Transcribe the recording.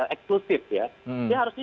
eksklusif ya dia harusnya